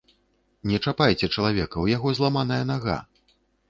Не чапайце чалавека, у яго зламаная нага!